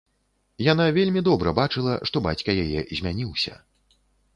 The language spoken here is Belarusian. Яна вельмі добра бачыла, што бацька яе змяніўся.